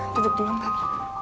duduk dulu mbak